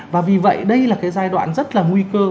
và vì vậy đây là cái giai đoạn rất là nguy cơ